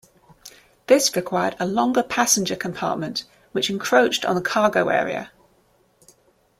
This required a longer passenger compartment, which encroached on the cargo area.